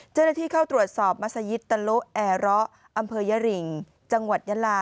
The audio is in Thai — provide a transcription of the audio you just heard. เจ้าหน้าที่เข้าตรวจสอบมัศยิตตะโลแอร์ระอำเภอยริงจังหวัดยาลา